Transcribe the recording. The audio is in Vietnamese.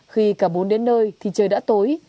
khi cả bốn đến nơi thì trời đã tối